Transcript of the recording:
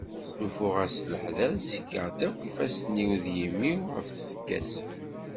Slufeɣ-as s leḥder, sikkeɣ-d akk ifassen-iw d yimi-w ɣef tfekka-s.